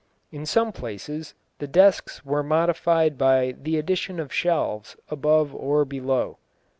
In some places the desks were modified by the addition of shelves above or below.